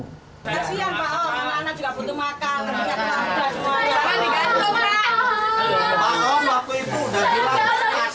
kasian pak om anak anak juga butuh makan